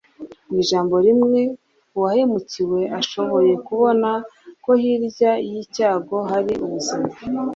mu ijambo rimwe uwahemukiwe ashoboye kubona ko hirya y'icyago hari ubuzima